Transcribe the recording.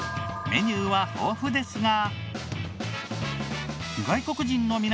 メニューは豊富ですが。